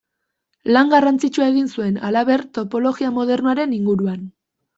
Lan garrantzitsua egin zuen, halaber, topologia modernoaren inguruan.